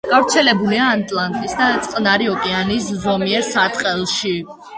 გავრცელებულია ატლანტის და წყნარი ოკეანის ზომიერ სარტყელში.